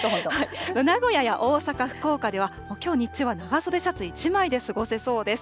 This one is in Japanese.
名古屋や大阪、福岡では、きょう日中は長袖シャツ１枚で過ごせそうです。